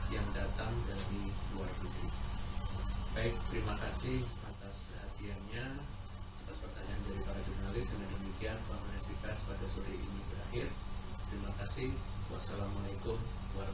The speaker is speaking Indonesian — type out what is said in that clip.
baik terima kasih atas perhatiannya atas pertanyaan dari para jurnalis